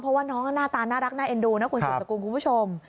เพราะว่าน้องก็หน้าตาน่ารักน่าเอ็นดูนะคุณสุดสกุลคุณผู้ชม